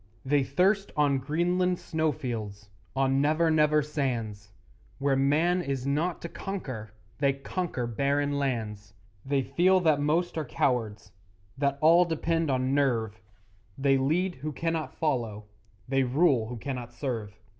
They thirst on Greenland snowfields, On Never Never sands; Where man is not to conquer They conquer barren lands; They feel that most are cowards, That all depends on 'nerve,' They lead who cannot follow, They rule who cannot serve.